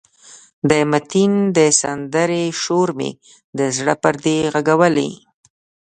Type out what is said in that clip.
د متین د سندرې شور مې د زړه پردې غږولې.